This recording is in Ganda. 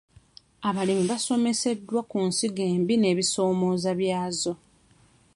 Abalimi baasomeseddwa ku nsigo embi n'ebisomooza byazo.